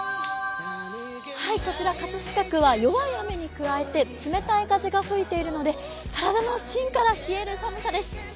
こちら葛飾区は弱い雨に加えて冷たい風が吹いているので、体の芯から冷える寒さです。